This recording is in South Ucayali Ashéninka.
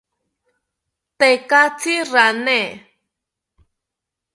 Tekatzi rane